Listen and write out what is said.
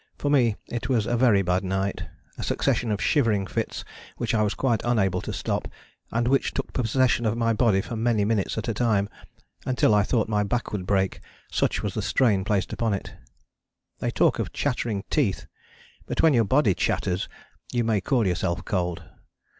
For me it was a very bad night: a succession of shivering fits which I was quite unable to stop, and which took possession of my body for many minutes at a time until I thought my back would break, such was the strain placed upon it. They talk of chattering teeth: but when your body chatters you may call yourself cold.